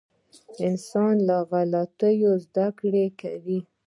• انسان له غلطیو زده کړه کوي.